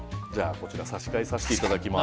差し替えさせていただきます。